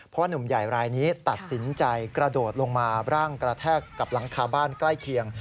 เพราะหนุ่มใหญ่รายนี้ตัดสินใจกระโดดลงมาร่างกระแทกกับหลังคาบ้านใกล้เคียง